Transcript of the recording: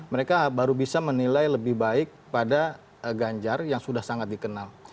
mereka baru bisa menilai lebih baik pada ganjar yang sudah sangat dikenal